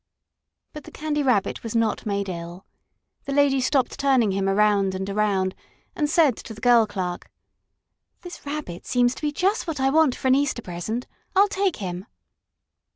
But the Candy Rabbit was not made ill. The lady stopped turning him around and around and said to the girl clerk: "This Rabbit seems to be just what I want for an Easter present. I'll take him."